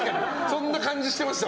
そんな感じしてました。